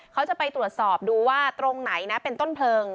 เขาจะไปตรวจสอบดูว่าตรงไหนนะเป็นต้นเพลิง